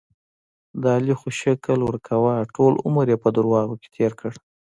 د علي خو شکل ورکوه، ټول عمر یې په دروغو کې تېر کړ.